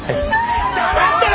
黙ってろ！